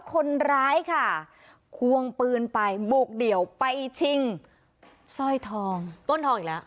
คนร้ายค่ะควงปืนไปบุกเดี่ยวไปชิงสร้อยทองต้นทองอีกแล้ว